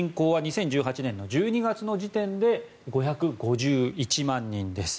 人口は２０１８年１２月の時点で５５１万人です。